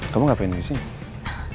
kamu ngapain disini